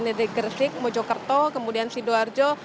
dari gresik mojokerto kemudian sidoarjo